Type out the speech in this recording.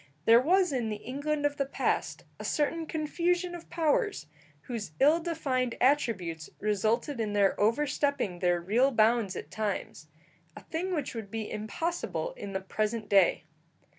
There was in the England of the past a certain confusion of powers, whose ill defined attributes resulted in their overstepping their real bounds at times a thing which would be impossible in the present day.